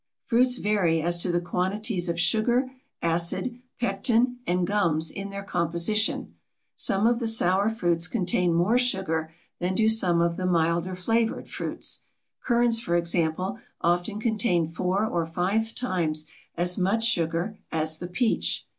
Fruits vary as to the quantities of sugar, acid, pectin, and gums in their composition. Some of the sour fruits contain more sugar than do some of the milder flavored fruits. Currants, for example, often contain four or five times as much sugar as the peach.